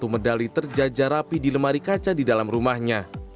satu ratus tujuh puluh satu medali terjajar rapi di lemari kaca di dalam rumahnya